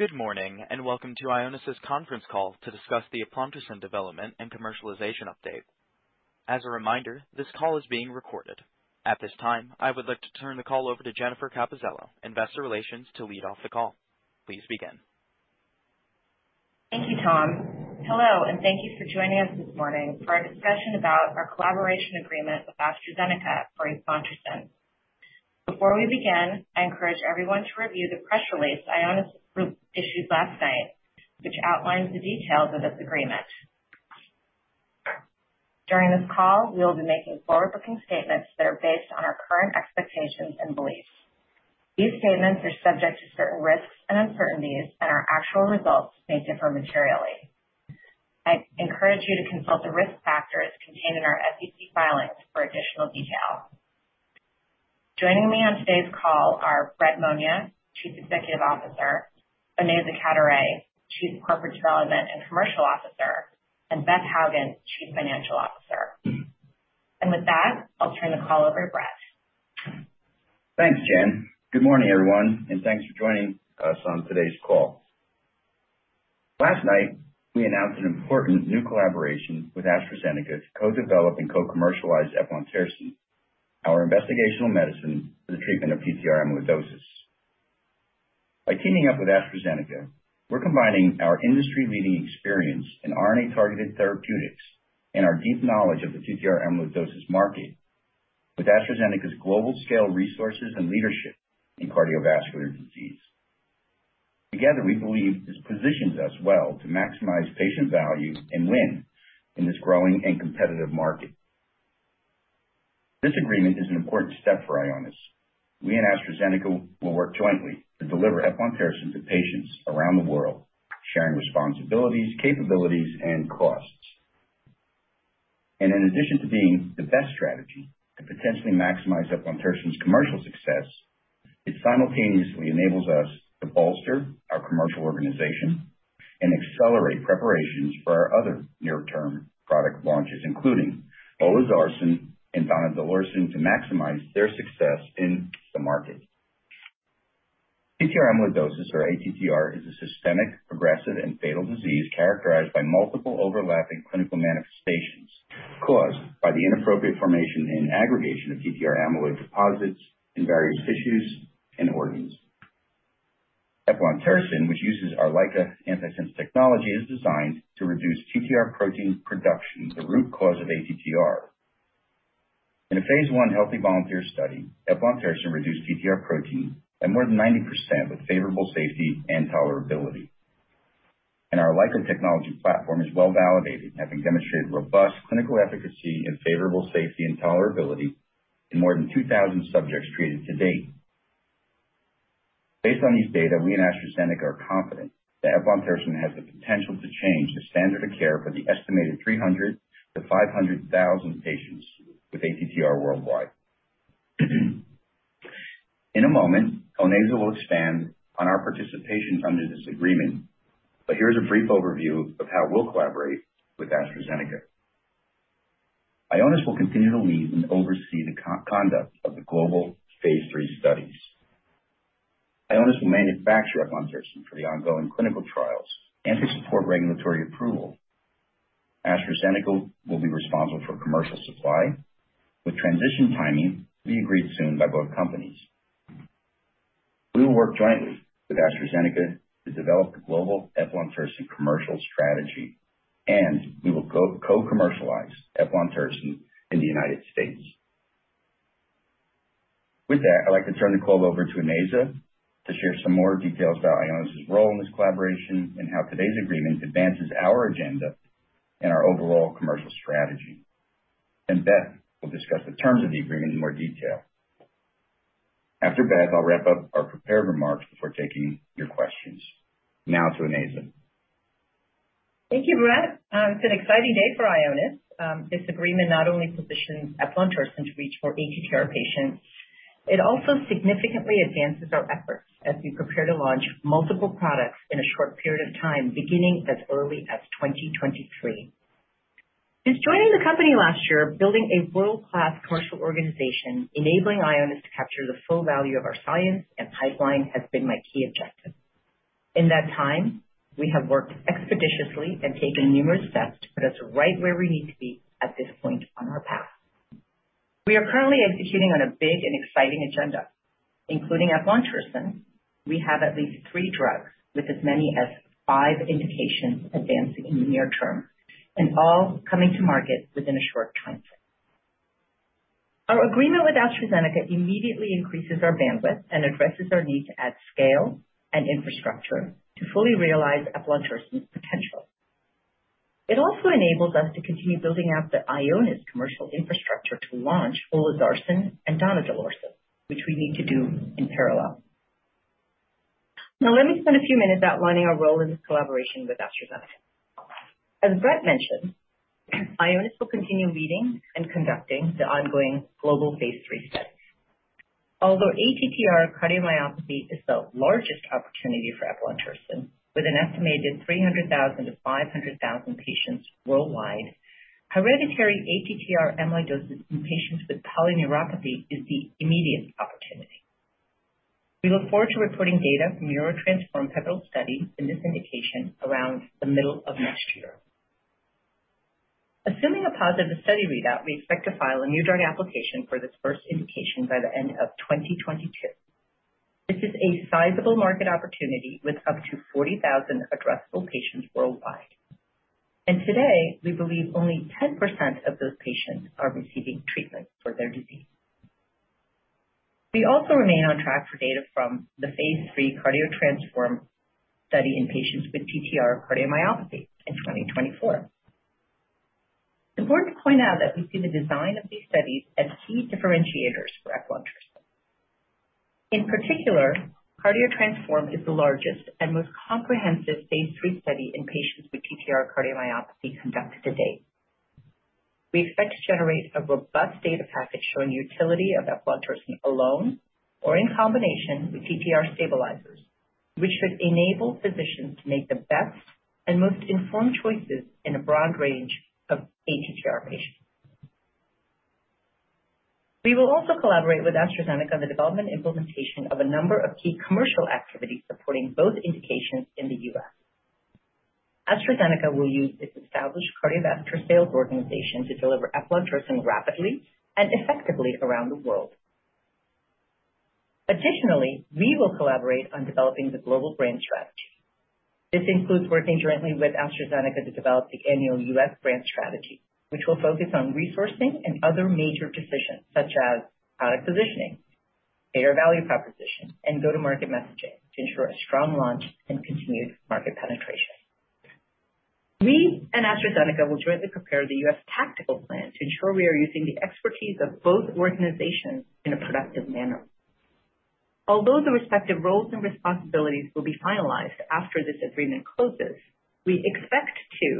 Good morning, and welcome to Ionis's conference call to discuss the eplontersen development and commercialization update. As a reminder, this call is being recorded. At this time, I would like to turn the call over to Jennifer Capuzelo, investor relations, to lead off the call. Please begin. Thank you, Tom. Hello, and thank you for joining us this morning for our discussion about our collaboration agreement with AstraZeneca for eplontersen. Before we begin, I encourage everyone to review the press release Ionis issued last night, which outlines the details of this agreement. During this call, we will be making forward-looking statements that are based on our current expectations and beliefs. These statements are subject to certain risks and uncertainties, and our actual results may differ materially. I encourage you to consult the risk factors contained in our SEC filings for additional detail. Joining me on today's call are Brett Monia, Chief Executive Officer, Onaiza Cadoret-Manier, Chief Corporate Development and Commercial Officer, and Beth Hougen, Chief Financial Officer. With that, I'll turn the call over to Brett. Thanks, Jen. Good morning, everyone, and thanks for joining us on today's call. Last night, we announced an important new collaboration with AstraZeneca to co-develop and co-commercialize eplontersen, our investigational medicine for the treatment of TTR amyloidosis. By teaming up with AstraZeneca, we're combining our industry-leading experience in RNA-targeted therapeutics and our deep knowledge of the TTR amyloidosis market with AstraZeneca's global scale resources and leadership in cardiovascular disease. Together, we believe this positions us well to maximize patient value and win in this growing and competitive market. This agreement is an important step for Ionis. We and AstraZeneca will work jointly to deliver eplontersen to patients around the world, sharing responsibilities, capabilities, and costs. In addition to being the best strategy to potentially maximize eplontersen's commercial success, it simultaneously enables us to bolster our commercial organization and accelerate preparations for our other near-term product launches, including olezarsen and donidalorsen, to maximize their success in the market. TTR amyloidosis, or ATTR, is a systemic, aggressive, and fatal disease characterized by multiple overlapping clinical manifestations caused by the inappropriate formation and aggregation of TTR amyloid deposits in various tissues and organs. Eplontersen, which uses our LICA antisense technology, is designed to reduce TTR protein production, the root cause of ATTR. In a phase I healthy volunteer study, eplontersen reduced TTR protein by more than 90% with favorable safety and tolerability. Our LICA technology platform is well-validated, having demonstrated robust clinical efficacy and favorable safety and tolerability in more than 2,000 subjects treated to date. Based on these data, we and AstraZeneca are confident that eplontersen has the potential to change the standard of care for the estimated 300,000-500,000 patients with ATTR worldwide. In a moment, Onaiza will expand on our participation under this agreement, but here's a brief overview of how we'll collaborate with AstraZeneca. Ionis will continue to lead and oversee the conduct of the global phase III studies. Ionis will manufacture eplontersen for the ongoing clinical trials and to support regulatory approval. AstraZeneca will be responsible for commercial supply, with transition timing to be agreed soon by both companies. We will work jointly with AstraZeneca to develop the global eplontersen commercial strategy, and we will co-commercialize eplontersen in the United States. With that, I'd like to turn the call over to Onaiza to share some more details about Ionis' role in this collaboration and how today's agreement advances our agenda and our overall commercial strategy. Beth will discuss the terms of the agreement in more detail. After Beth, I'll wrap up our prepared remarks before taking your questions. Now to Onaiza. Thank you, Brett. It's an exciting day for Ionis. This agreement not only positions eplontersen to reach more ATTR patients, it also significantly advances our efforts as we prepare to launch multiple products in a short period of time, beginning as early as 2023. Since joining the company last year, building a world-class commercial organization enabling Ionis to capture the full value of our science and pipeline has been my key objective. In that time, we have worked expeditiously and taken numerous steps to put us right where we need to be at this point on our path. We are currently executing on a big and exciting agenda. Including eplontersen, we have at least three drugs with as many as five indications advancing in the near term and all coming to market within a short timeframe. Our agreement with AstraZeneca immediately increases our bandwidth and addresses our need to add scale and infrastructure to fully realize eplontersen's potential. It also enables us to continue building out the Ionis commercial infrastructure to launch olezarsen and donidalorsen, which we need to do in parallel. Now let me spend a few minutes outlining our role in this collaboration with AstraZeneca. As Brett mentioned, Ionis will continue leading and conducting the ongoing global phase III studies. Although ATTR cardiomyopathy is the largest opportunity for eplontersen. With an estimated 300,000-500,000 patients worldwide, hereditary ATTR amyloidosis in patients with polyneuropathy is the immediate opportunity. We look forward to reporting data from NEURO-TTRansform pivotal study in this indication around the middle of next year. Assuming a positive study readout, we expect to file a new drug application for this first indication by the end of 2022. This is a sizable market opportunity with up to 40,000 addressable patients worldwide. Today, we believe only 10% of those patients are receiving treatment for their disease. We also remain on track for data from the phase III CARDIO-TTRansform study in patients with TTR cardiomyopathy in 2024. It's important to point out that we see the design of these studies as key differentiators for eplontersen. In particular, CARDIO-TTRansform is the largest and most comprehensive phase III study in patients with TTR cardiomyopathy conducted to date. We expect to generate a robust data package showing utility of eplontersen alone or in combination with TTR stabilizers, which should enable physicians to make the best and most informed choices in a broad range of ATTR patients. We will also collaborate with AstraZeneca on the development and implementation of a number of key commercial activities supporting both indications in the U.S. AstraZeneca will use its established cardiovascular sales organization to deliver eplontersen rapidly and effectively around the world. Additionally, we will collaborate on developing the global brand strategy. This includes working directly with AstraZeneca to develop the annual U.S. brand strategy, which will focus on resourcing and other major decisions such as product positioning, payer value proposition, and go-to-market messaging to ensure a strong launch and continued market penetration. We and AstraZeneca will jointly prepare the U.S. tactical plan to ensure we are using the expertise of both organizations in a productive manner. Although the respective roles and responsibilities will be finalized after this agreement closes, we expect to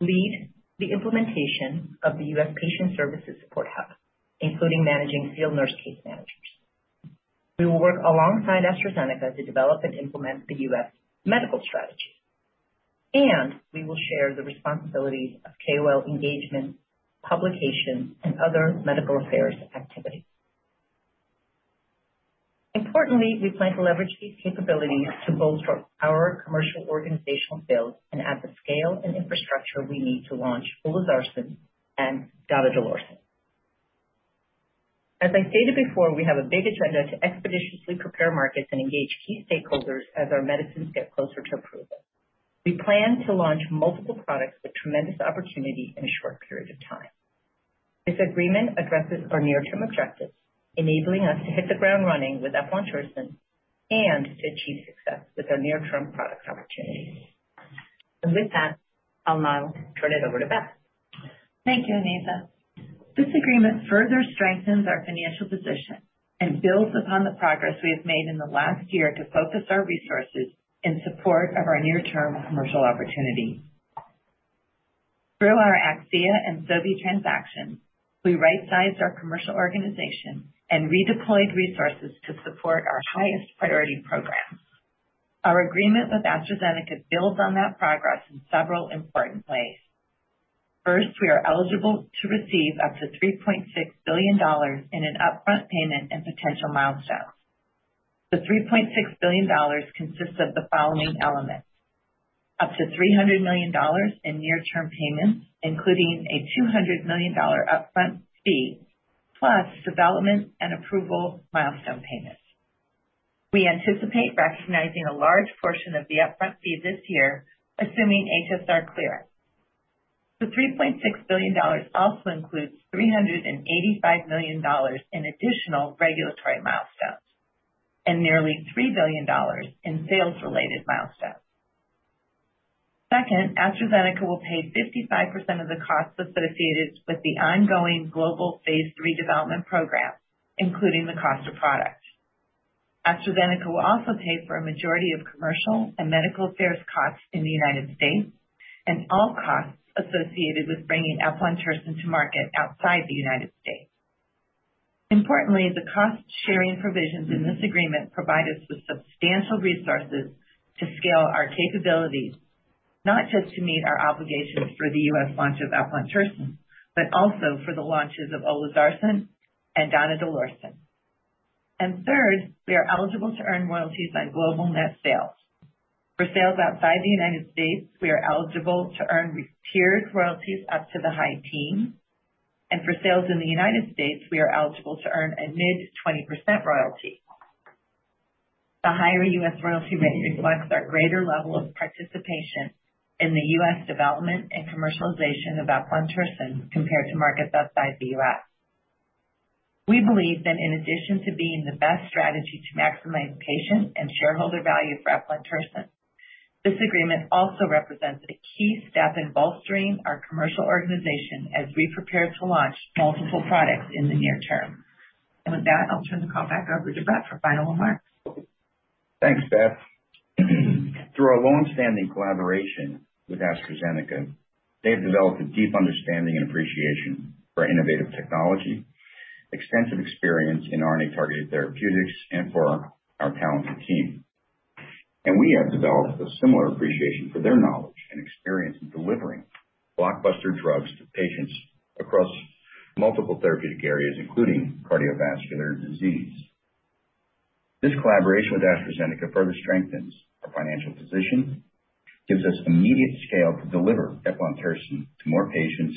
lead the implementation of the U.S. Patient Services Support Hub, including managing field nurse case managers. We will work alongside AstraZeneca to develop and implement the U.S. medical strategy, and we will share the responsibilities of KOL engagement, publication, and other medical affairs activities. Importantly, we plan to leverage these capabilities to bolster our commercial organizational sales and add the scale and infrastructure we need to launch olezarsen and donidalorsen. As I stated before, we have a big agenda to expeditiously prepare markets and engage key stakeholders as our medicines get closer to approval. We plan to launch multiple products with tremendous opportunity in a short period of time. This agreement addresses our near-term objectives, enabling us to hit the ground running with eplontersen and to achieve success with our near-term product opportunities. With that, I'll now turn it over to Beth. Thank you, Onaiza. This agreement further strengthens our financial position and builds upon the progress we have made in the last year to focus our resources in support of our near-term commercial opportunities. Through our Akcea and Sobi transactions, we right-sized our commercial organization and redeployed resources to support our highest priority programs. Our agreement with AstraZeneca builds on that progress in several important ways. First, we are eligible to receive up to $3.6 billion in an upfront payment and potential milestones. The $3.6 billion consists of the following elements. Up to $300 million in near-term payments, including a $200 million upfront fee, plus development and approval milestone payments. We anticipate recognizing a large portion of the upfront fee this year, assuming HSR clearance. The $3.6 billion also includes $385 million in additional regulatory milestones and nearly $3 billion in sales-related milestones. Second, AstraZeneca will pay 55% of the costs associated with the ongoing global phase III development programs, including the cost of products. AstraZeneca will also pay for a majority of commercial and medical affairs costs in the United States and all costs associated with bringing eplontersen to market outside the United States. Importantly, the cost-sharing provisions in this agreement provide us with substantial resources to scale our capabilities, not just to meet our obligations for the U.S. launch of eplontersen, but also for the launches of olezarsen and donidalorsen. Third, we are eligible to earn royalties on global net sales. For sales outside the United States, we are eligible to earn tiered royalties up to the high teens%, and for sales in the United States, we are eligible to earn a mid-20% royalty. The higher U.S. royalty rate reflects our greater level of participation in the U.S. development and commercialization of eplontersen compared to markets outside the U.S. We believe that in addition to being the best strategy to maximize patient and shareholder value for eplontersen, this agreement also represents a key step in bolstering our commercial organization as we prepare to launch multiple products in the near term. With that, I'll turn the call back over to Brett for final remarks. Thanks, Beth. Through our longstanding collaboration with AstraZeneca, they've developed a deep understanding and appreciation for innovative technology. Extensive experience in RNA-targeted therapeutics and for our talented team. We have developed a similar appreciation for their knowledge and experience in delivering blockbuster drugs to patients across multiple therapeutic areas, including cardiovascular disease. This collaboration with AstraZeneca further strengthens our financial position, gives us immediate scale to deliver eplontersen to more patients,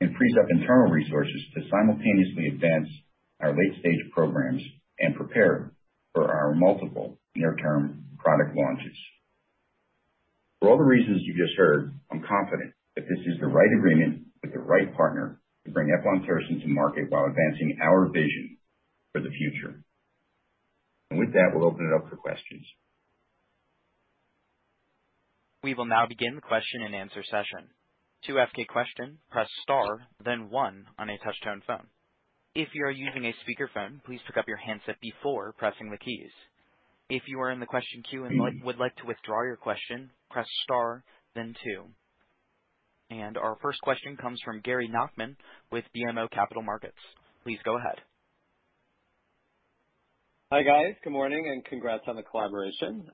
and frees up internal resources to simultaneously advance our late-stage programs and prepare for our multiple near-term product launches. For all the reasons you just heard, I'm confident that this is the right agreement with the right partner to bring eplontersen to market while advancing our vision for the future. With that, we'll open it up for questions. We will now begin the question-and-answer session. To ask a question, press star then one on a touch-tone phone. If you are using a speakerphone, please pick up your handset before pressing the keys. If you are in the question queue and would like to withdraw your question, press star then two. Our first question comes from Gary Nachman with BMO Capital Markets. Please go ahead. Hi, guys. Good morning and congrats on the collaboration.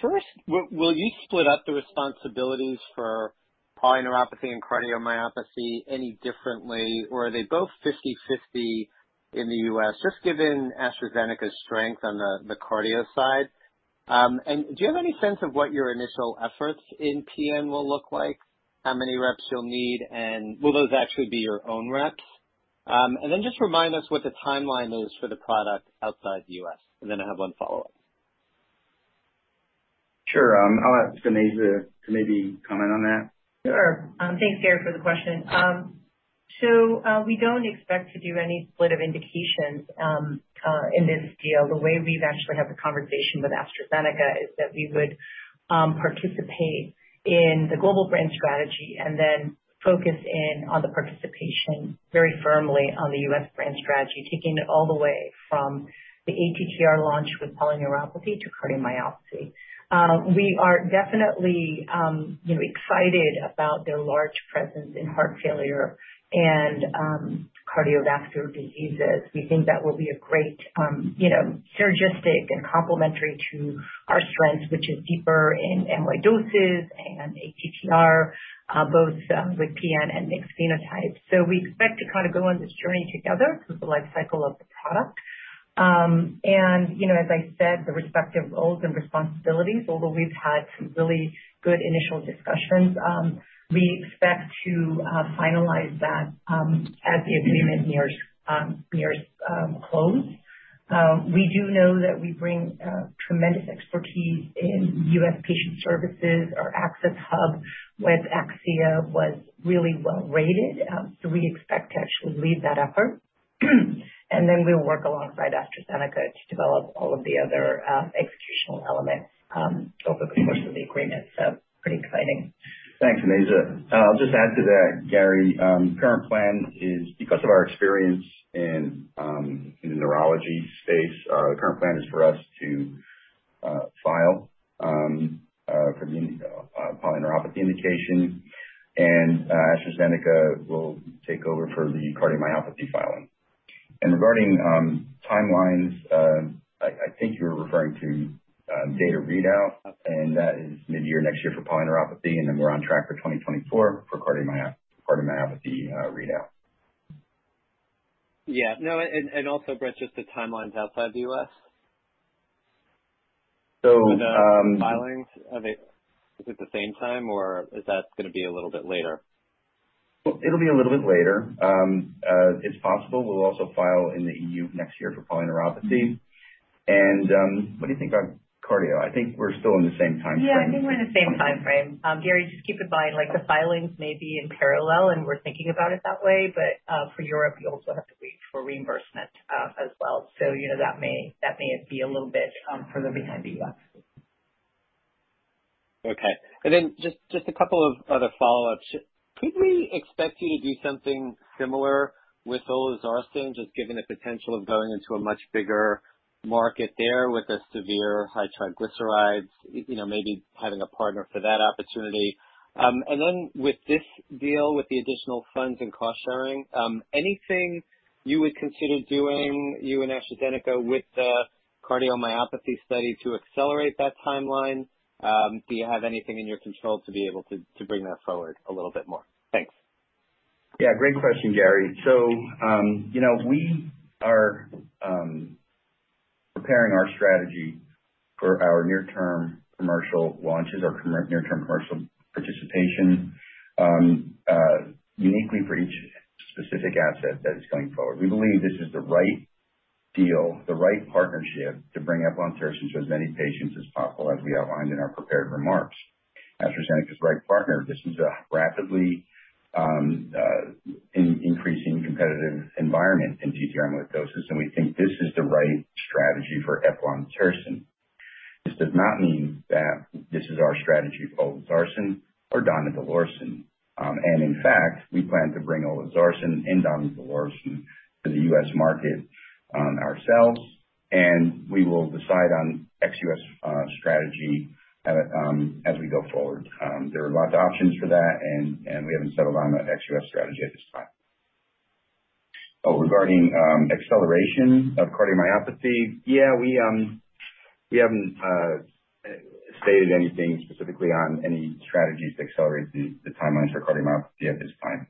First, will you split up the responsibilities for polyneuropathy and cardiomyopathy any differently, or are they both 50/50 in the U.S., just given AstraZeneca's strength on the cardio side? Do you have any sense of what your initial efforts in PN will look like, how many reps you'll need, and will those actually be your own reps? Then just remind us what the timeline is for the product outside the U.S. Then I have one follow-up. Sure. I'll ask Onaiza to maybe comment on that. Sure. Thanks, Gary, for the question. So, we don't expect to do any split of indications in this deal. The way we've actually had the conversation with AstraZeneca is that we would participate in the global brand strategy and then focus in on the participation very firmly on the US brand strategy, taking it all the way from the ATTR launch with polyneuropathy to cardiomyopathy. We are definitely, you know, excited about their large presence in heart failure and cardiovascular diseases. We think that will be a great, you know, synergistic and complementary to our strengths, which is deeper in amyloidosis and ATTR, both with PN and mixed phenotypes. We expect to kind of go on this journey together through the life cycle of the product. You know, as I said, the respective roles and responsibilities. Although we've had some really good initial discussions, we expect to finalize that as the agreement nears close. We do know that we bring tremendous expertise in U.S. patient services. Our access hub with Akcea was really well rated, so we expect to actually lead that effort. We'll work alongside AstraZeneca to develop all of the other executional elements over the course of the agreement. Pretty exciting. Thanks, Onaiza. I'll just add to that, Gary. Current plan is, because of our experience in the neurology space, for us to file for the polyneuropathy indication, and AstraZeneca will take over for the cardiomyopathy filing. Regarding timelines, I think you were referring to data readout. Okay. That is mid-year next year for polyneuropathy, and then we're on track for 2024 for cardiomyopathy readout. Yeah. No, and also, Brett, just the timelines outside the U.S. So, um- The filings. I think, is it the same time or is that gonna be a little bit later? It'll be a little bit later. It's possible we'll also file in the EU next year for polyneuropathy. What do you think on cardio? I think we're still in the same timeframe. Yeah, I think we're in the same timeframe. Gary, just keep in mind, like, the filings may be in parallel and we're thinking about it that way. For Europe, we also have to wait for reimbursement, as well. You know, that may be a little bit further behind the U.S. Okay. Just a couple of other follow-ups. Could we expect you to do something similar with olezarsen, just given the potential of going into a much bigger market there with severely high triglycerides, you know, maybe having a partner for that opportunity? With this deal, with the additional funds and cost sharing, anything you would consider doing, you and AstraZeneca, with the cardiomyopathy study to accelerate that timeline? Do you have anything in your control to be able to bring that forward a little bit more? Thanks. Yeah, great question, Gary. You know, we are preparing our strategy for our near-term commercial launches, near-term commercial participation, uniquely for each specific asset that is going forward. We believe this is the right deal, the right partnership to bring eplontersen to as many patients as possible, as we outlined in our prepared remarks. AstraZeneca is the right partner. This is a rapidly increasing competitive environment in TTR amyloidosis, and we think this is the right strategy for eplontersen. This does not mean that this is our strategy for olezarsen or donidalorsen. In fact, we plan to bring olezarsen and donidalorsen to the U.S. market ourselves. We will decide on ex-U.S. strategy as we go forward. There are lots of options for that and we haven't settled on an ex-U.S. strategy at this time. Regarding acceleration of cardiomyopathy, we haven't stated anything specifically on any strategies to accelerate the timelines for cardiomyopathy at this time.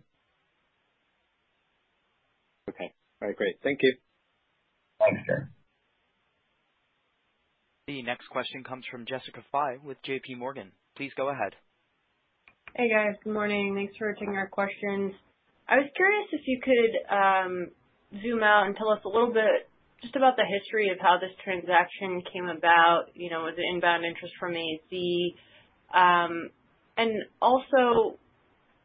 Okay. All right, great. Thank you. Thanks, Garry. The next question comes from Jessica Fye with JPMorgan. Please go ahead. Hey, guys. Good morning. Thanks for taking our questions. I was curious if you could zoom out and tell us a little bit just about the history of how this transaction came about, you know, was it inbound interest from AZ? And also,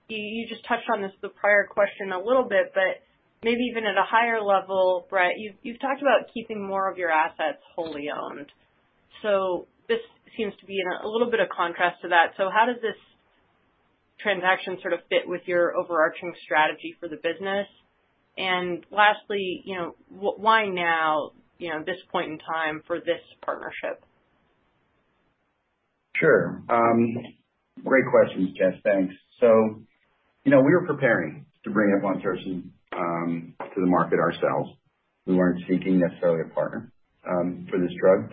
you just touched on this, the prior question a little bit, but maybe even at a higher level, Brett, you've talked about keeping more of your assets wholly owned. So this seems to be in a little bit of contrast to that. So how does this transaction sort of fit with your overarching strategy for the business? And lastly, you know, why now, you know, this point in time for this partnership? Sure. Great questions, Jess. Thanks. You know, we were preparing to bring eplontersen to the market ourselves. We weren't seeking necessarily a partner for this drug.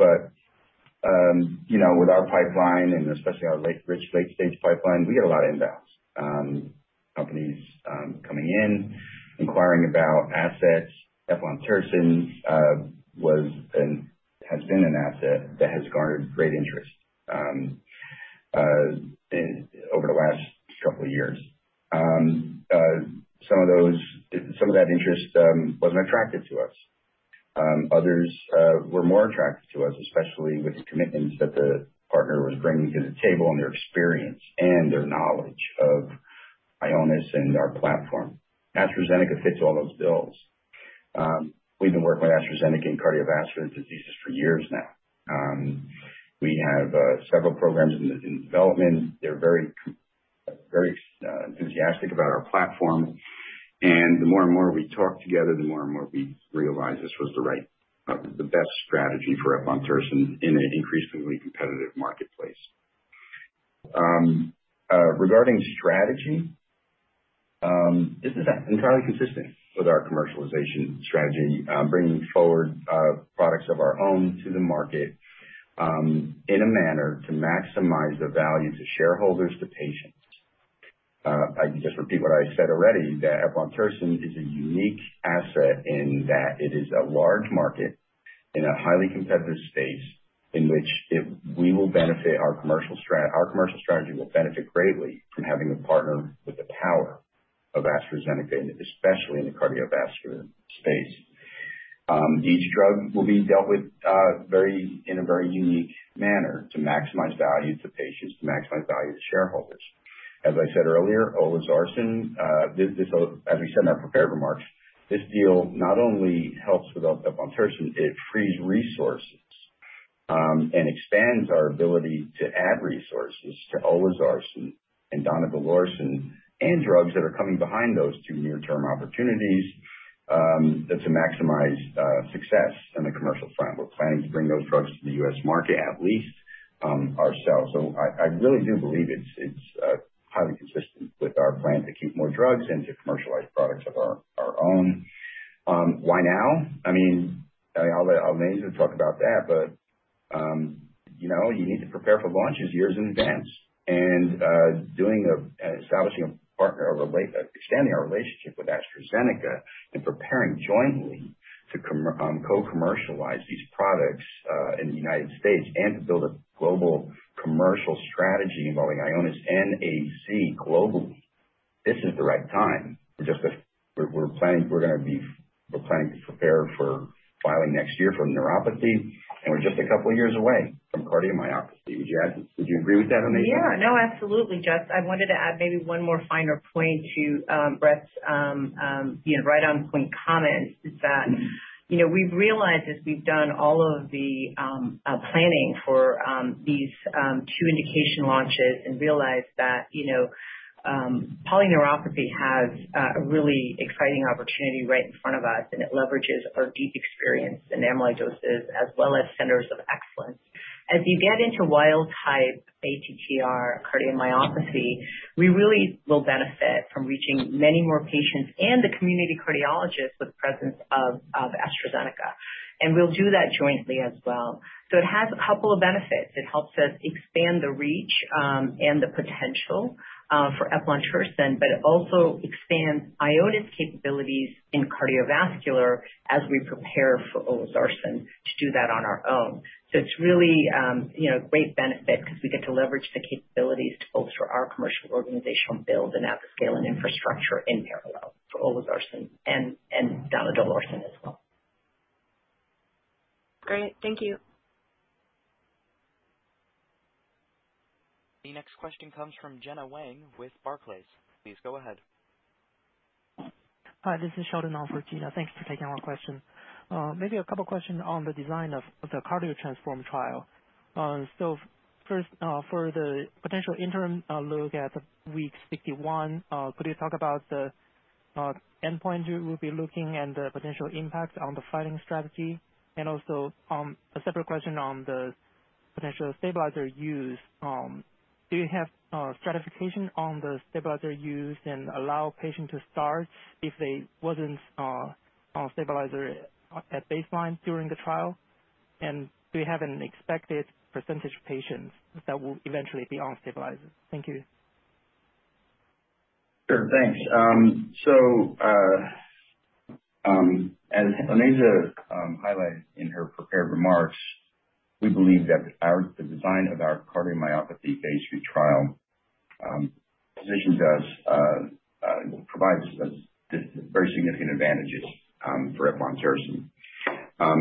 You know, with our pipeline, and especially our rich late stage pipeline, we get a lot of inbounds, companies coming in inquiring about assets. Eplontersen has been an asset that has garnered great interest over the last couple of years. Some of that interest wasn't attractive to us. Others were more attractive to us, especially with the commitments that the partner was bringing to the table and their experience and their knowledge of Ionis and our platform. AstraZeneca fits all those bills. We've been working with AstraZeneca in cardiovascular diseases for years now. We have several programs in development. They're very enthusiastic about our platform. The more and more we talked together, the more and more we realized this was the right, the best strategy for eplontersen in an increasingly competitive marketplace. Regarding strategy, this is entirely consistent with our commercialization strategy, bringing forward products of our own to the market in a manner to maximize the value to shareholders, to patients. I can just repeat what I said already, that eplontersen is a unique asset in that it is a large market in a highly competitive space in which our commercial strategy will benefit greatly from having a partner with the power of AstraZeneca, and especially in the cardiovascular space. Each drug will be dealt with in a very unique manner to maximize value to patients, to maximize value to shareholders. As I said earlier, olezarsen, this, as we said in our prepared remarks, this deal not only helps with the eplontersen, it frees resources and expands our ability to add resources to olezarsen and donidalorsen and drugs that are coming behind those two near-term opportunities, that to maximize success on the commercial front. We're planning to bring those drugs to the U.S. market at least, ourselves. I really do believe it's highly consistent with our plan to keep more drugs and to commercialize products of our own. Why now? I mean, I'll let Onaiza to talk about that, but you know, you need to prepare for launches years in advance. Establishing a partnership, extending our relationship with AstraZeneca and preparing jointly to co-commercialize these products in the United States and to build a global commercial strategy involving Ionis and AZ globally. This is the right time. We're planning to prepare for filing next year for neuropathy, and we're just a couple of years away from cardiomyopathy. Would you agree with that, Onaiza? Yeah. No, absolutely, Jess. I wanted to add maybe one more finer point to Brett's you know right-on-point comments is that you know we've realized as we've done all of the planning for these two indication launches and realized that you know polyneuropathy has a really exciting opportunity right in front of us, and it leverages our deep experience in amyloidosis as well as centers of excellence. As you get into wild-type ATTR cardiomyopathy, we really will benefit from reaching many more patients and the community cardiologists with presence of AstraZeneca. We'll do that jointly as well. It has a couple of benefits. It helps us expand the reach and the potential for eplontersen, but it also expands Ionis capabilities in cardiovascular as we prepare for olezarsen to do that on our own. It's really a great benefit because we get to leverage the capabilities to build both for our commercial organization and have the scale and infrastructure in parallel for olezarsen and donidalorsen as well. Great. Thank you. The next question comes from Gena Wang with Barclays. Please go ahead. Hi, this is Sheldon, on for Gena. Thanks for taking our question. Maybe a couple questions on the design of the CARDIO-TTRansform trial. First, for the potential interim look at week 51, could you talk about the The endpoint you will be looking at and the potential impact on the filing strategy. Also, a separate question on the potential stabilizer use. Do you have stratification on the stabilizer use and allow patients to start if they wasn't on stabilizer at baseline during the trial? Do you have an expected percentage of patients that will eventually be on stabilizers? Thank you. Sure. Thanks. As Onaiza highlighted in her prepared remarks, we believe that the design of our cardiomyopathy phase II trial positions us, provides us with very significant advantages for eplontersen.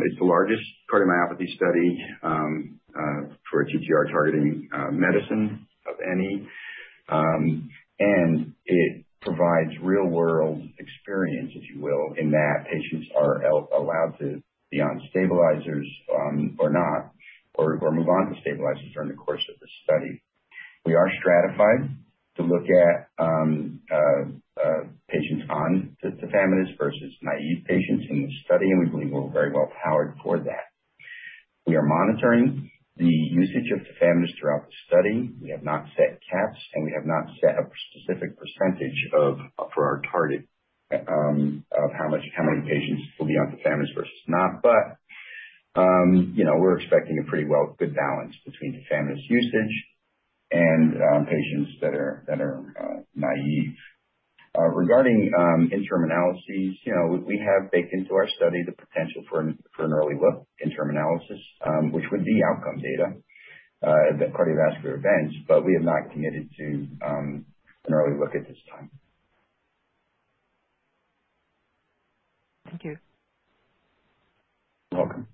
It's the largest cardiomyopathy study for a TTR targeting medicine of any. It provides real-world experience, if you will, in that patients are allowed to be on stabilizers, or not, or move on to stabilizers during the course of the study. We are stratified to look at patients on tafamidis versus naive patients in this study, and we believe we're very well powered for that. We are monitoring the usage of tafamidis throughout the study. We have not set caps, and we have not set a specific percentage of for our target of how many patients will be on tafamidis versus not. You know, we're expecting a pretty well good balance between tafamidis usage and patients that are naive. Regarding interim analyses, you know, we have baked into our study the potential for an early look interim analysis, which would be outcome data, the cardiovascular events, but we have not committed to an early look at this time. Thank you. You're welcome.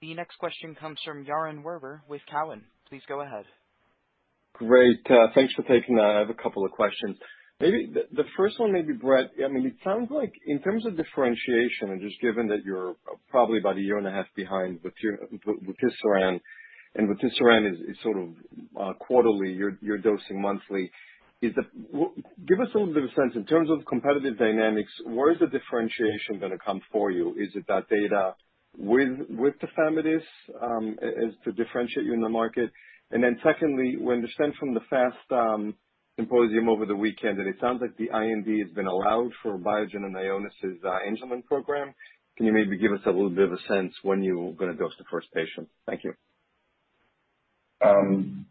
The next question comes from Yaron Werber with Cowen. Please go ahead. Great. Thanks for taking that. I have a couple of questions. Maybe the first one may be Brett. I mean, it sounds like in terms of differentiation and just given that you're probably about 1.5 years behind vutrisiran, and vutrisiran is sort of quarterly, you're dosing monthly. Give us a little bit of a sense. In terms of competitive dynamics, where is the differentiation gonna come for you? Is it that data with tafamidis as to differentiate you in the market? And then secondly, what I sensed from the FAST symposium over the weekend, and it sounds like the IND has been allowed for Biogen and Ionis' Angelman program. Can you maybe give us a little bit of a sense when you're gonna dose the first patient? Thank you. I'm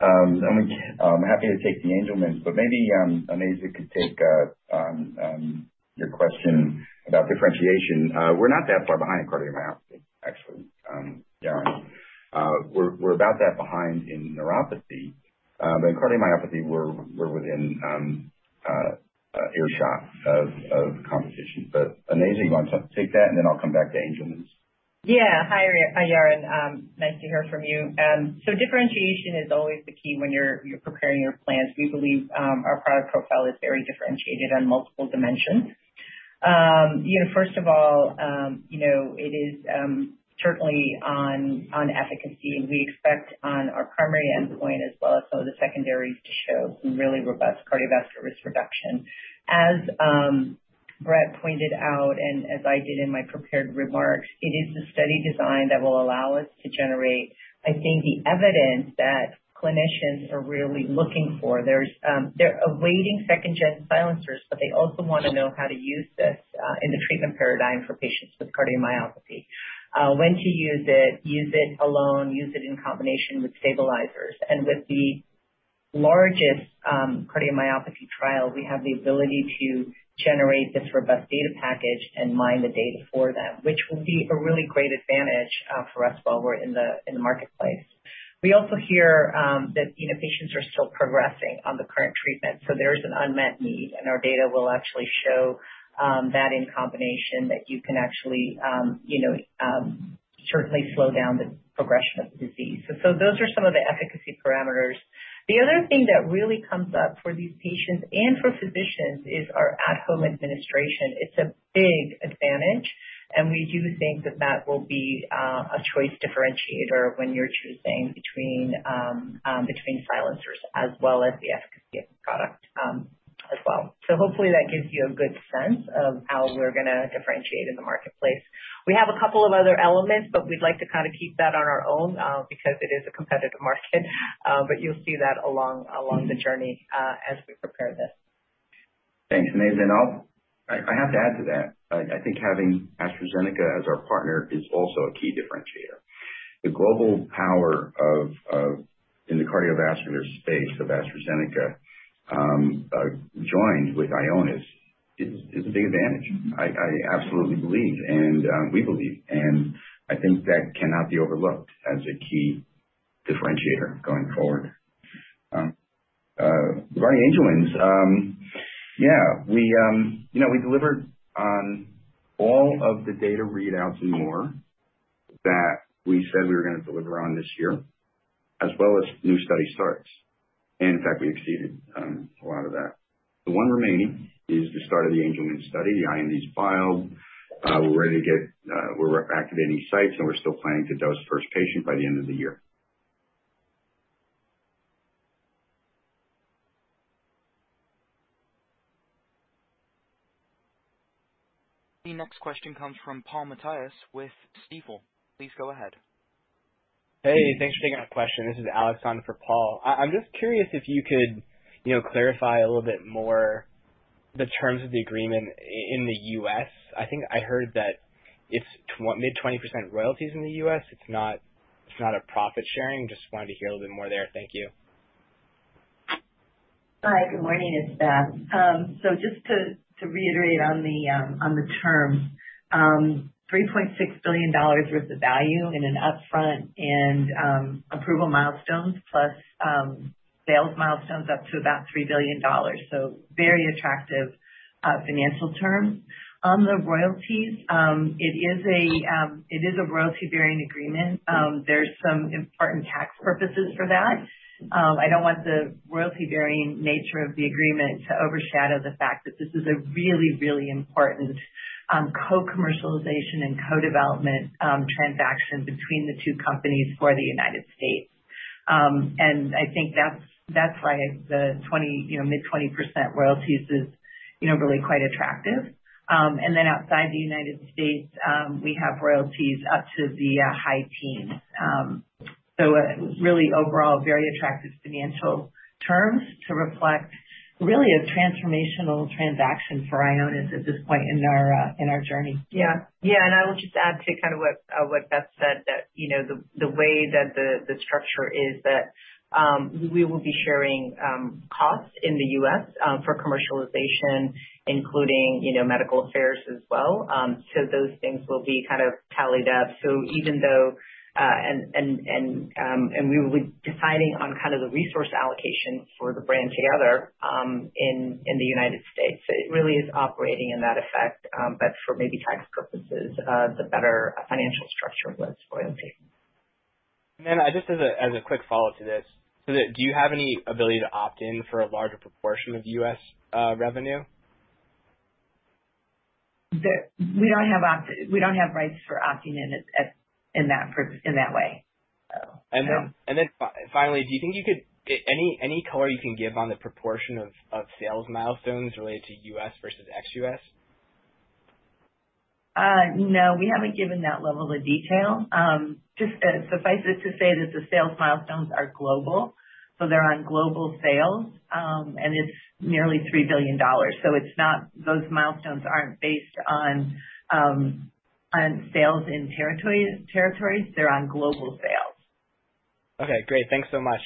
happy to take the Angelman, but maybe Onaiza could take your question about differentiation. We're not that far behind in cardiomyopathy, actually, Yaron. We're about that behind in neuropathy. In cardiomyopathy, we're within earshot of the competition. Onaiza, you want to take that, and then I'll come back to Angelman's. Yeah. Hi, Yaron. Nice to hear from you. Differentiation is always the key when you're preparing your plans. We believe our product profile is very differentiated on multiple dimensions. You know, first of all, you know, it is certainly on efficacy. We expect on our primary endpoint as well as some of the secondaries to show some really robust cardiovascular risk reduction. As Brett pointed out, and as I did in my prepared remarks, it is the study design that will allow us to generate, I think, the evidence that clinicians are really looking for. They're awaiting second-gen silencers, but they also wanna know how to use this in the treatment paradigm for patients with cardiomyopathy. When to use it, use it alone, use it in combination with stabilizers. With the largest cardiomyopathy trial, we have the ability to generate this robust data package and mine the data for them, which will be a really great advantage for us while we're in the marketplace. We also hear that, you know, patients are still progressing on the current treatment, so there is an unmet need, and our data will actually show that in combination, that you can actually, you know, certainly slow down the progression of the disease. Those are some of the efficacy parameters. The other thing that really comes up for these patients and for physicians is our at-home administration. It's a big advantage, and we do think that will be a choice differentiator when you're choosing between silencers as well as the efficacy of the product, as well. Hopefully that gives you a good sense of how we're gonna differentiate in the marketplace. We have a couple of other elements, but we'd like to kind of keep that on our own, because it is a competitive market. You'll see that along the journey, as we prepare this. Thanks, Onaiza. I'll have to add to that. I think having AstraZeneca as our partner is also a key differentiator. The global power of AstraZeneca in the cardiovascular space, joined with Ionis, is a big advantage. I absolutely believe and we believe, and I think that cannot be overlooked as a key differentiator going forward. Regarding Angelman's, yeah, you know, we delivered on all of the data readouts and more that we said we were gonna deliver on this year, as well as new study starts. In fact, we exceeded a lot of that. The one remaining is the start of the Angelman study. The IND is filed. We're activating sites, and we're still planning to dose first patient by the end of the year. The next question comes from Paul Matteis with Stifel. Please go ahead. Hey, thanks for taking my question. This is Alexander for Paul. I'm just curious if you could, you know, clarify a little bit more the terms of the agreement in the U.S. I think I heard that it's mid-20% royalties in the U.S. It's not a profit sharing. Just wanted to hear a little bit more there. Thank you. Hi. Good morning. It's Beth. Just to reiterate on the terms. $3.6 billion worth of value in an upfront and approval milestones plus sales milestones up to about $3 billion. Very attractive financial terms. On the royalties, it is a royalty-bearing agreement. There's some important tax purposes for that. I don't want the royalty-bearing nature of the agreement to overshadow the fact that this is a really important co-commercialization and co-development transaction between the two companies for the United States. I think that's why the 20, you know, mid-20% royalties is, you know, really quite attractive. Outside the United States, we have royalties up to the high teens. Really overall very attractive financial terms to reflect really a transformational transaction for Ionis at this point in our journey. Yeah. Yeah, I would just add to kind of what Beth said, that you know, the way that the structure is that we will be sharing costs in the U.S. for commercialization, including you know, medical affairs as well. Those things will be kind of tallied up. Even though and we will be deciding on kind of the resource allocation for the brand together in the United States. It really is operating in that effect. But for maybe tax purposes, the better financial structure was royalty. Just as a quick follow-up to this. Do you have any ability to opt in for a larger proportion of U.S. revenue? We don't have rights for opting in at in that way. So, no. Finally, do you think you could give any color on the proportion of sales milestones related to U.S. versus ex-U.S.? No, we haven't given that level of detail. Just suffice it to say that the sales milestones are global, so they're on global sales. It's nearly $3 billion. It's not, those milestones aren't based on sales in territories. They're on global sales. Okay, great. Thanks so much.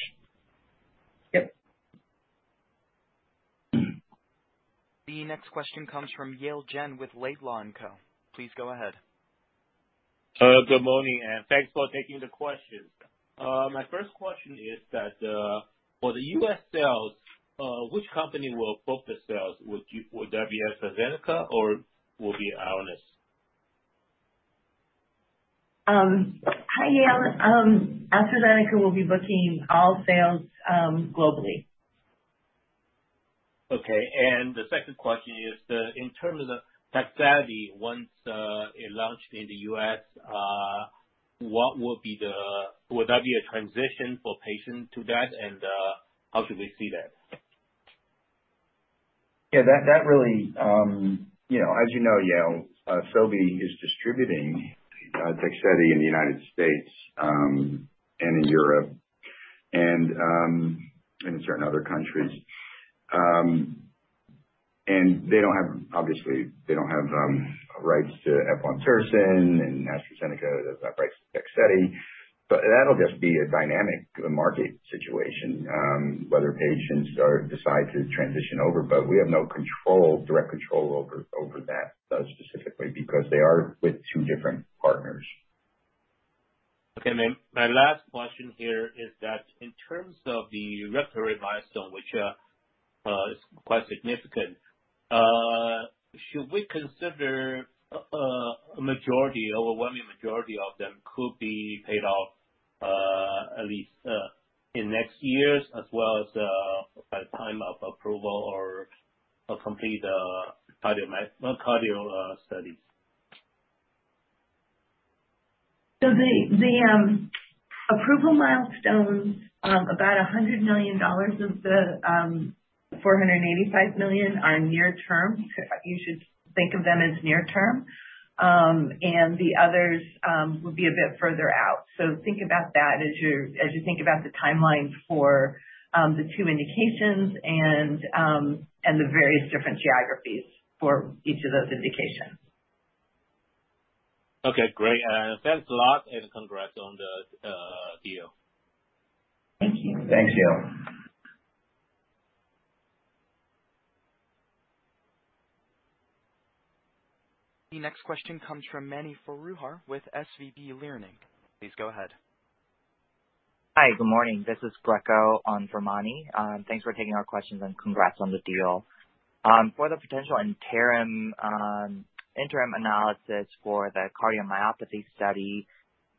Yep. The next question comes from Yale Jen with Laidlaw & Co. Please go ahead. Good morning, and thanks for taking the questions. My first question is that, for the U.S. sales, which company will book the sales? Would that be AstraZeneca or will be Ionis? Hi, Yale. AstraZeneca will be booking all sales globally. Okay. The second question is, in terms of TEGSEDI, once it launched in the U.S., what will be. Will that be a transition for patients to that? How should we see that? Yeah, that really, you know, as you know, Yale, Sobi is distributing TEGSEDI in the United States, and in Europe and in certain other countries. They don't have, obviously, rights to eplontersen and AstraZeneca does not market TEGSEDI. But that'll just be a dynamic market situation, whether patients decide to transition over. We have no direct control over that specifically because they are with two different partners. Okay. My last question here is that in terms of the regulatory milestone, which is quite significant, should we consider a majority, overwhelming majority of them could be paid off, at least in next years as well as by the time of approval or a complete well cardio studies? The approval milestones, about $100 million of the $485 million are near term. You should think of them as near term. The others will be a bit further out. Think about that as you think about the timeline for the two indications and the various different geographies for each of those indications. Okay, great. Thanks a lot and congrats on the deal. Thank you. Thanks, Yale. The next question comes from Mani Foroohar with SVB Leerink. Please go ahead. Hi. Good morning. This is Greco on for Mani. Thanks for taking our questions and congrats on the deal. For the potential interim analysis for the cardiomyopathy study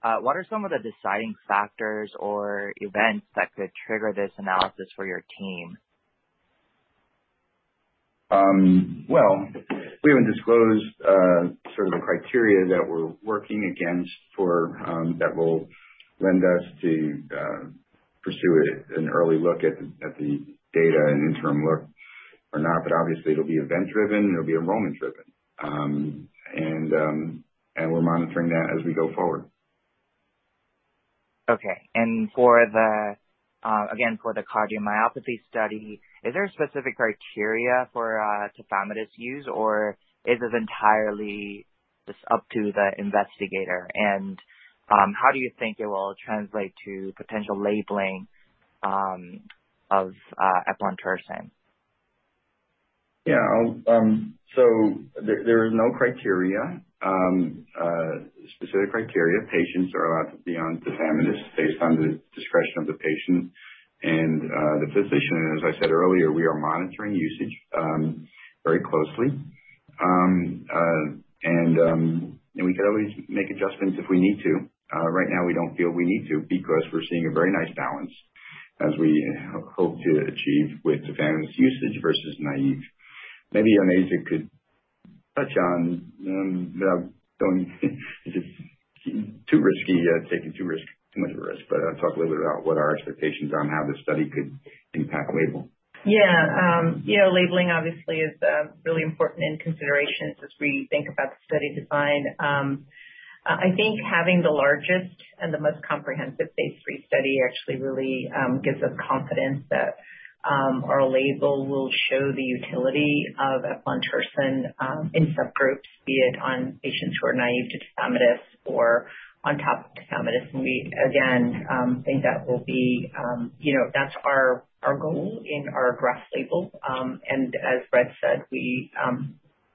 What are some of the deciding factors or events that could trigger this analysis for your team? Well, we haven't disclosed sort of the criteria that we're working against for that will lend us to pursue an early look at the data and interim look or not. Obviously it'll be event driven, it'll be enrollment driven. And we're monitoring that as we go forward. Okay. For the cardiomyopathy study, is there a specific criteria for tafamidis use or is it entirely just up to the investigator? How do you think it will translate to potential labeling of eplontersen? Yeah. There is no specific criteria. Patients are allowed to be on tafamidis based on the discretion of the patient and the physician. As I said earlier, we are monitoring usage very closely. We could always make adjustments if we need to. Right now, we don't feel we need to because we're seeing a very nice balance as we hope to achieve with tafamidis usage versus naive. Maybe Onaiza could touch on, but I'm going. It's too risky. Taking too much risk. Talk a little bit about what our expectations on how this study could impact labeling. Yeah. You know, labeling obviously is really important in considerations as we think about the study design. I think having the largest and the most comprehensive phase III study actually really gives us confidence that our label will show the utility of eplontersen in subgroups, be it on patients who are naive to tafamidis or on top of tafamidis. We again think that will be, you know, that's our goal in our broad label. As Brett said, we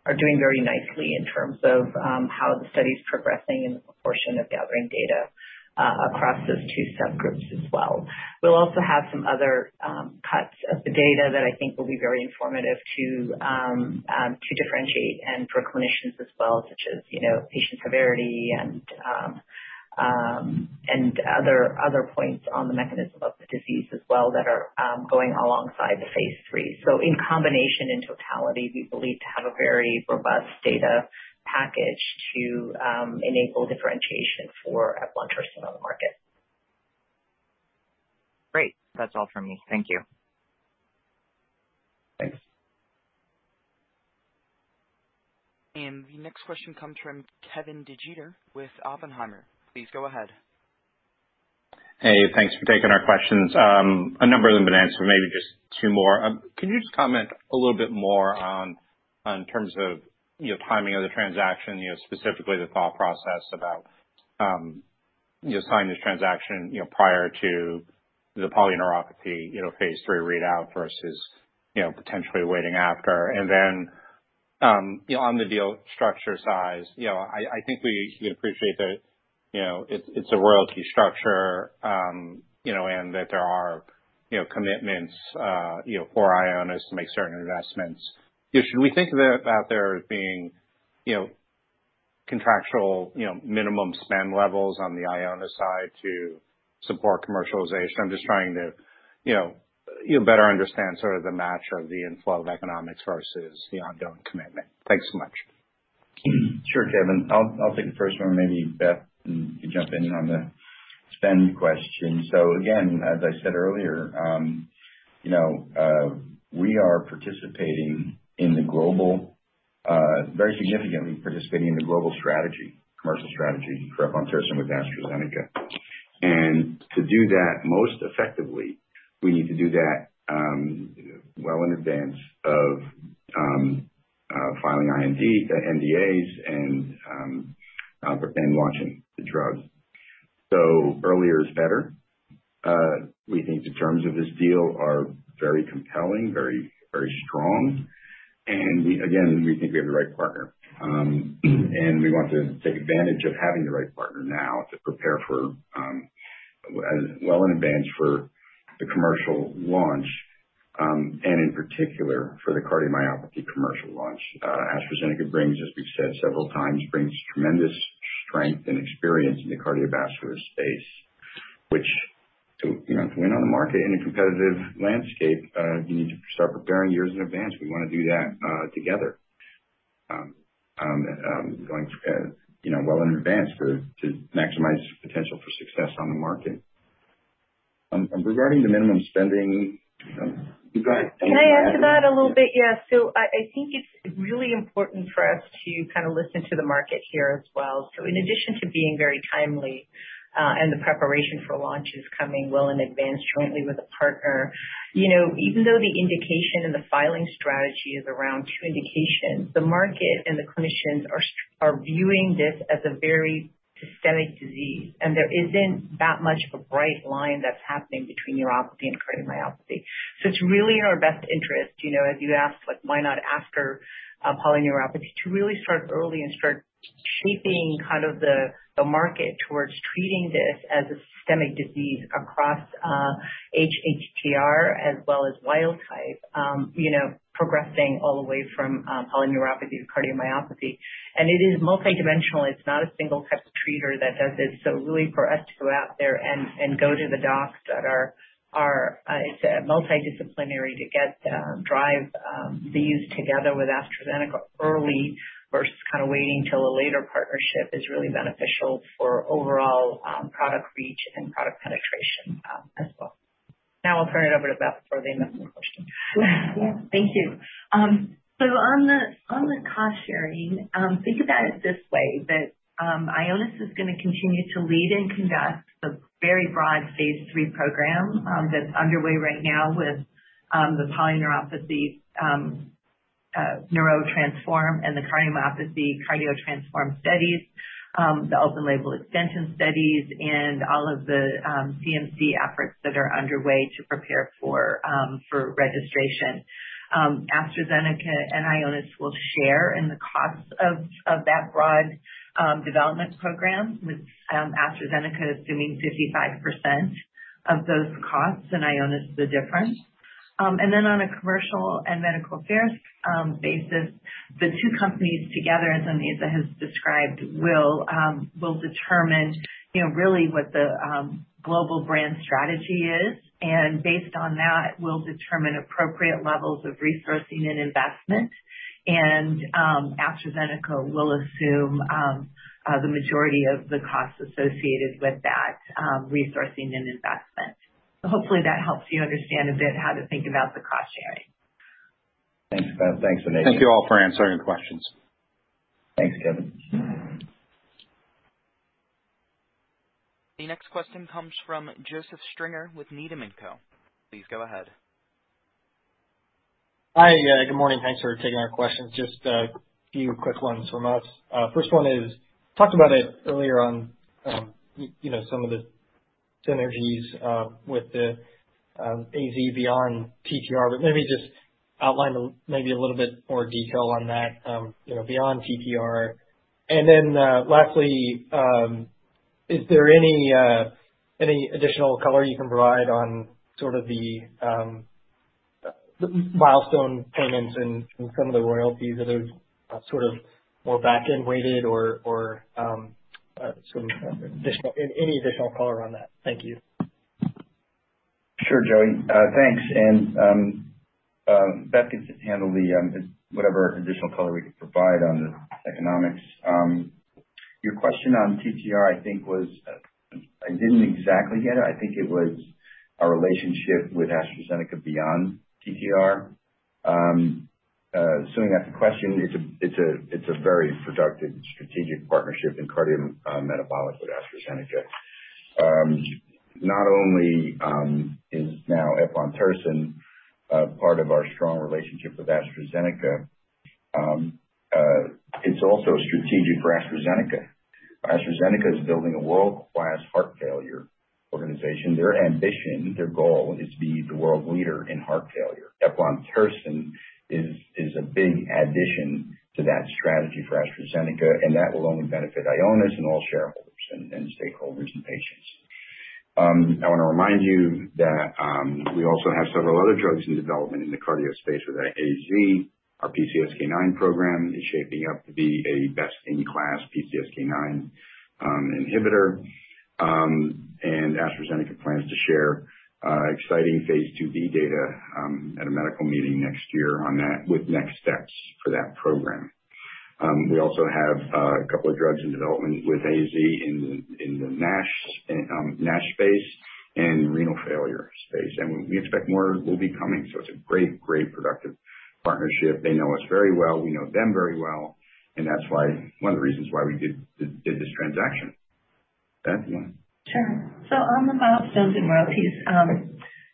are doing very nicely in terms of how the study's progressing and the proportion of gathering data across those two subgroups as well. We'll also have some other cuts of the data that I think will be very informative to differentiate and for clinicians as well, such as, you know, patient severity and other points on the mechanism of the disease as well that are going alongside the phase III. In combination, in totality, we believe to have a very robust data package to enable differentiation for eplontersen on the market. Great. That's all for me. Thank you. Thanks. The next question comes from Kevin DeGeeter with Oppenheimer. Please go ahead. Hey, thanks for taking our questions. A number of them have been answered, so maybe just two more. Can you just comment a little bit more on terms of, you know, timing of the transaction, you know, specifically the thought process about, you know, signing this transaction, you know, prior to the polyneuropathy, you know, phase III readout versus, you know, potentially waiting after. And then, you know, on the deal structure size, you know, I think we appreciate that, you know, it's a royalty structure, you know, and that there are, you know, commitments, you know, for Ionis to make certain investments. You know, should we think that there is being, you know, contractual, you know, minimum spend levels on the Ionis side to support commercialization? I'm just trying to, you know, better understand sort of the match of the inflow of economics versus the ongoing commitment. Thanks so much. Sure, Kevin. I'll take the first one, and maybe Beth can jump in on the spend question. Again, as I said earlier, you know, we are participating in the global, very significantly participating in the global strategy, commercial strategy for eplontersen with AstraZeneca. To do that most effectively, we need to do that, well in advance of, filing IND, the NDAs and launching the drugs. Earlier is better. We think the terms of this deal are very compelling, very, very strong. We again think we have the right partner. We want to take advantage of having the right partner now to prepare for, as well in advance for the commercial launch, and in particular for the cardiomyopathy commercial launch. AstraZeneca brings, as we've said several times, tremendous strength and experience in the cardiovascular space, which, to win on the market in a competitive landscape, you need to start preparing years in advance. We wanna do that together, going well in advance to maximize potential for success on the market. Regarding the minimum spending, you go ahead- Can I add to that a little bit? Yeah. I think it's really important for us to kind of listen to the market here as well. In addition to being very timely, and the preparation for launch is coming well in advance jointly with a partner, you know, even though the indication and the filing strategy is around two indications, the market and the clinicians are viewing this as a very systemic disease. There isn't that much of a bright line that's happening between neuropathy and cardiomyopathy. It's really in our best interest, you know, as you asked, like, why not ask for polyneuropathy to really start early and start shaping kind of the market towards treating this as a systemic disease across hATTR as well as wild-type, you know, progressing all the way from polyneuropathy to cardiomyopathy. It is multi-dimensional. It's not a single type of treatment that does this. Really for us to go out there and go to the docs that are it's multidisciplinary to drive the use together with AstraZeneca early versus kinda waiting till a later partnership is really beneficial for overall product reach and product penetration as well. Now I'll turn it over to Beth before the next question. Yeah. Thank you. On the cost sharing, think about it this way, that Ionis is gonna continue to lead and conduct the very broad phase III program that's underway right now with the polyneuropathy NEURO-TTRansform and the cardiomyopathy CARDIO-TTRansform studies, the open label extension studies and all of the CMC efforts that are underway to prepare for registration. AstraZeneca and Ionis will share in the costs of that broad development program with AstraZeneca assuming 55% of those costs and Ionis the difference. On a commercial and medical affairs basis, the two companies together, as Onaiza has described, will determine, you know, really what the global brand strategy is. Based on that will determine appropriate levels of resourcing and investment. AstraZeneca will assume the majority of the costs associated with that resourcing and investment. Hopefully that helps you understand a bit how to think about the cost sharing. Thanks, Beth. Thanks, Onaiza. Thank you all for answering questions. Thanks, Kevin. The next question comes from Joseph Stringer with Needham & Co. Please go ahead. Hi. Yeah, good morning. Thanks for taking our questions. Just a few quick ones from us. First one is, talked about it earlier on, you know, some of the synergies with the AZ beyond TTR, but maybe just outline maybe a little bit more detail on that, you know, beyond TTR. Then, lastly, is there any additional color you can provide on sort of the milestone payments and some of the royalties, are those sort of more back-end weighted or sort of additional, any additional color on that? Thank you. Sure, Joseph. Thanks. Beth can handle the whatever additional color we can provide on the economics. Your question on TTR I think was I didn't exactly get it. I think it was our relationship with AstraZeneca beyond TTR. Assuming that's the question, it's a very productive strategic partnership in cardio metabolic with AstraZeneca. Not only is now eplontersen part of our strong relationship with AstraZeneca, it's also strategic for AstraZeneca. AstraZeneca is building a world-class heart failure organization. Their ambition, their goal, is to be the world leader in heart failure. Eplontersen is a big addition to that strategy for AstraZeneca, and that will only benefit Ionis and all shareholders and stakeholders and patients. I wanna remind you that we also have several other drugs in development in the cardio space with AZ. Our PCSK9 program is shaping up to be a best in class PCSK9 inhibitor. AstraZeneca plans to share exciting phase IIb data at a medical meeting next year on that with next steps for that program. We also have a couple of drugs in development with AZ in the NASH space and renal failure space. We expect more will be coming. It's a great productive partnership. They know us very well. We know them very well, and that's why one of the reasons why we did this transaction. Beth, you want- Sure. On the milestones and royalties,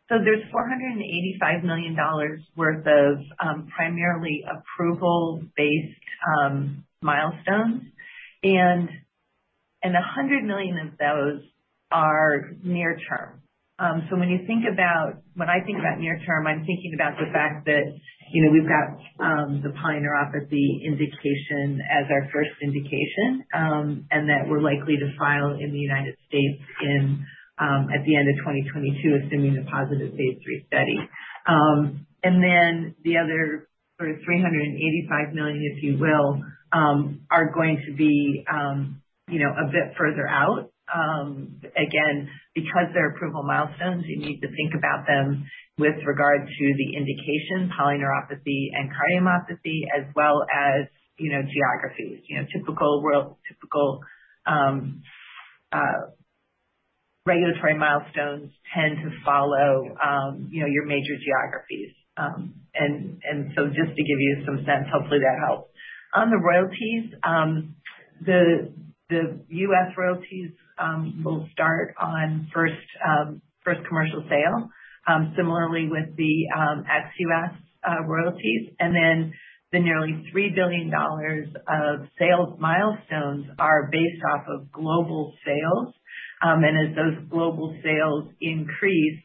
there's $485 million worth of primarily approval-based milestones. A hundred million of those are near term. When I think about near term, I'm thinking about the fact that, you know, we've got the polyneuropathy indication as our first indication, and that we're likely to file in the United States in at the end of 2022, assuming a positive phase III study. Then the other sort of $385 million, if you will, are going to be, you know, a bit further out. Again, because they're approval milestones, you need to think about them with regard to the indication, polyneuropathy and cardiomyopathy, as well as, you know, geography. You know, typical world, regulatory milestones tend to follow, you know, your major geographies. Just to give you some sense, hopefully that helps. On the royalties, the U.S. royalties will start on first commercial sale, similarly with the ex-U.S. royalties. The nearly $3 billion of sales milestones are based off of global sales. As those global sales increase,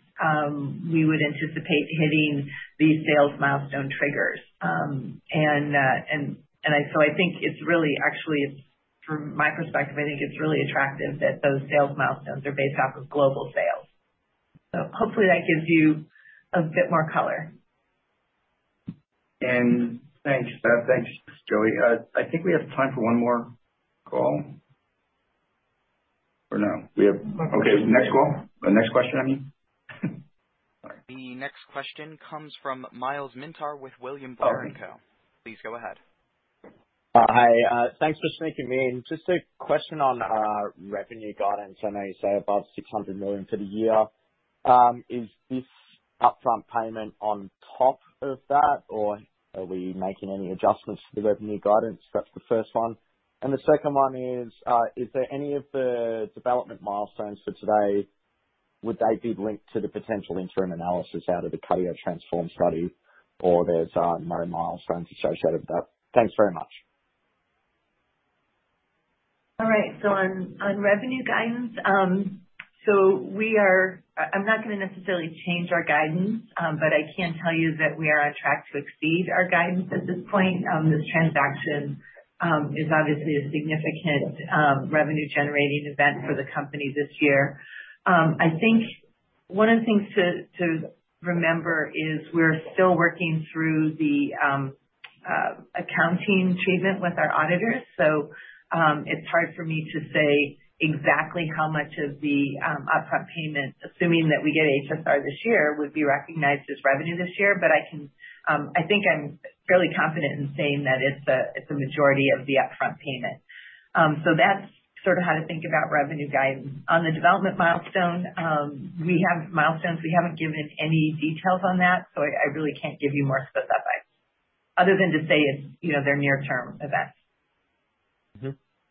we would anticipate hitting these sales milestone triggers. I think it's really actually, from my perspective, I think it's really attractive that those sales milestones are based off of global sales. Hopefully that gives you a bit more color. Thanks, Joey. I think we have time for one more call. Okay, next call. The next question, I mean. The next question comes from Myles Minter with William Blair & Co. Please go ahead. Hi. Thanks for sneaking me in. Just a question on our revenue guidance. I know you say above $600 million for the year. Is this upfront payment on top of that, or are we making any adjustments to the revenue guidance? That's the first one. The second one is there any of the development milestones for today? Would they be linked to the potential interim analysis out of the CARDIO-TTRansform study or there's more milestones associated with that? Thanks very much. All right. On revenue guidance. I'm not gonna necessarily change our guidance, but I can tell you that we are on track to exceed our guidance at this point. This transaction is obviously a significant revenue-generating event for the company this year. I think one of the things to remember is we're still working through the accounting treatment with our auditors. It's hard for me to say exactly how much of the upfront payment, assuming that we get HSR this year, would be recognized as revenue this year. But I think I'm fairly confident in saying that it's a majority of the upfront payment. That's sort of how to think about revenue guidance. On the development milestone, we have milestones. We haven't given any details on that, so I really can't give you more specifics other than to say it's, you know, they're near term events.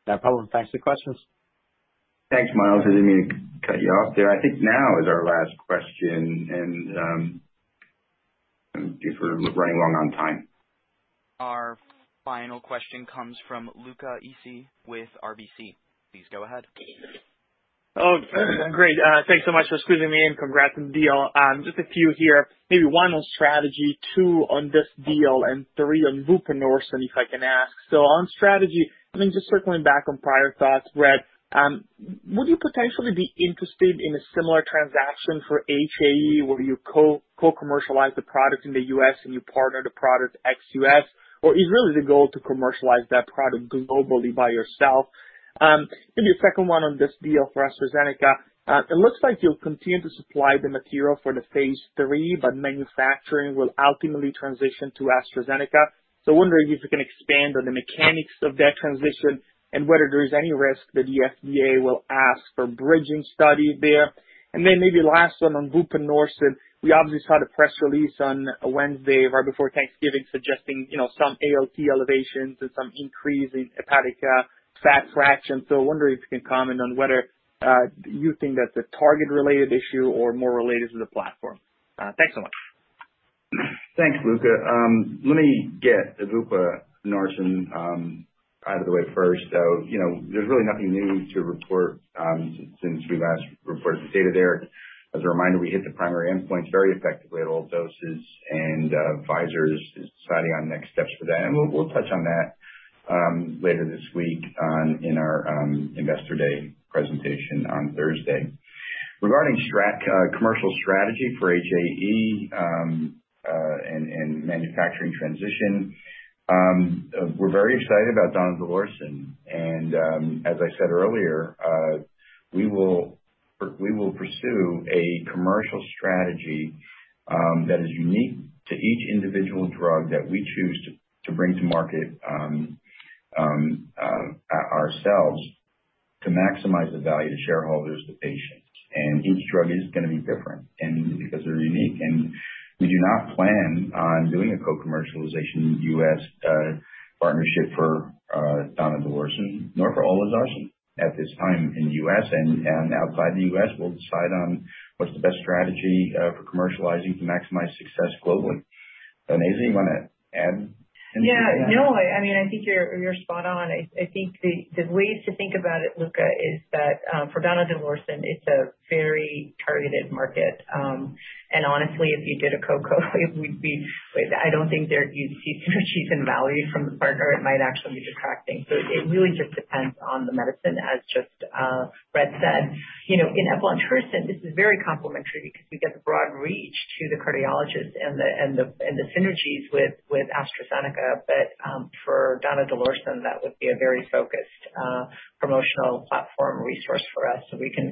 Mm-hmm. No problem. Thanks for the questions. Thanks, Myles. I didn't mean to cut you off there. I think now is our last question and, if we're running long on time. Our final question comes from Luca Issi with RBC. Please go ahead. Oh, great. Thanks so much for squeezing me in. Congrats on the deal. Just a few here, maybe one on strategy, two on this deal, and three on vupanorsen, if I can ask. On strategy, I mean, just circling back on prior thoughts, Brett, would you potentially be interested in a similar transaction for HAE where you co-commercialize the product in the U.S. and you partner the product ex-U.S.? Or is really the goal to commercialize that product globally by yourself? Maybe a second one on this deal for AstraZeneca. It looks like you'll continue to supply the material for the phase III, but manufacturing will ultimately transition to AstraZeneca. I'm wondering if you can expand on the mechanics of that transition and whether there is any risk that the FDA will ask for bridging study there. Then maybe last one on vupanorsen. We obviously saw the press release on Wednesday, right before Thanksgiving, suggesting, you know, some ALT elevations and some increase in hepatic fat fractions. I wonder if you can comment on whether you think that's a target related issue or more related to the platform. Thanks so much. Thanks, Luca. Let me get the vupanorsen out of the way first. You know, there's really nothing new to report since we last reported the data there. As a reminder, we hit the primary endpoint very effectively at all doses, and Pfizer is deciding on next steps for that. We'll touch on that later this week in our Investor Day presentation on Thursday. Regarding commercial strategy for HAE and manufacturing transition. We're very excited about donidalorsen. As I said earlier, we will pursue a commercial strategy that is unique to each individual drug that we choose to bring to market ourselves to maximize the value to shareholders, the patients. Each drug is gonna be different and because they're unique, and we do not plan on doing a co-commercialization U.S. partnership for donidalorsen nor for olezarsen at this time in U.S. and outside the U.S. We'll decide on what's the best strategy for commercializing to maximize success globally. Nazie, you wanna add anything to that? Yeah, no, I mean, I think you're spot on. I think the way to think about it, Luca, is that for donidalorsen, it's a very targeted market. Honestly, if you did a co-promotion, I don't think that you'd see sufficient value from the partner. It might actually be detracting. It really just depends on the medicine, as Brett just said. You know, in eplontersen, this is very complementary because we get the broad reach to the cardiologist and the synergies with AstraZeneca. For donidalorsen that would be a very focused promotional platform resource for us, so we can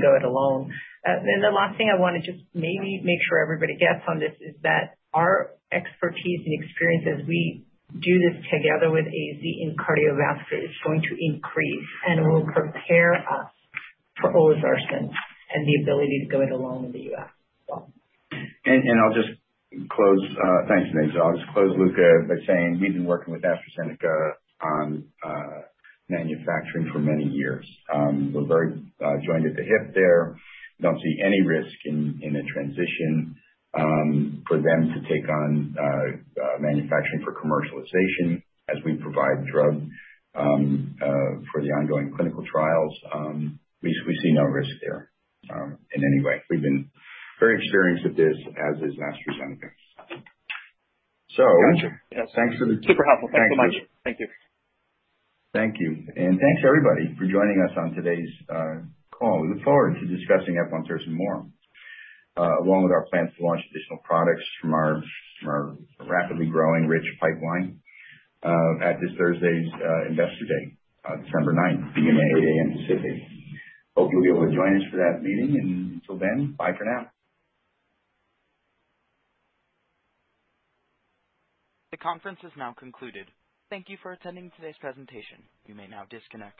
go it alone. The last thing I wanna just maybe make sure everybody gets on this is that our expertise and experience as we do this together with AZ in cardiovascular is going to increase and will prepare us for olezarsen and the ability to go it alone in the U.S. Thanks, Onaiza. I'll just close, Luca, by saying we've been working with AstraZeneca on manufacturing for many years. We're very joined at the hip there. Don't see any risk in a transition for them to take on manufacturing for commercialization as we provide drug for the ongoing clinical trials. We see no risk there in any way. We've been very experienced at this, as is AstraZeneca. Thank you. Super helpful. Thanks so much. Thank you. Thanks, everybody, for joining us on today's call. We look forward to discussing eplontersen more, along with our plans to launch additional products from our rapidly growing rich pipeline, at this Thursday's Investor Day, December 9, 8 A.M. Pacific. Hope you'll be able to join us for that meeting. Until then, bye for now. The conference is now concluded. Thank you for attending today's presentation. You may now disconnect.